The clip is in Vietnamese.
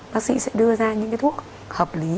bác sĩ sẽ đưa ra những cái thuốc hợp lý